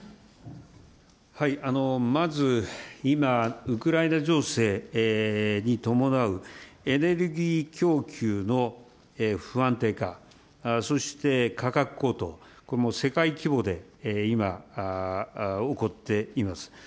まず今、ウクライナ情勢に伴うエネルギー供給の不安定化、そして価格高騰、これもう、世界規模で今、起こっています。